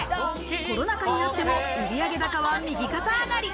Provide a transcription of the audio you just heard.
コロナ禍になっても売上高は右肩上がり。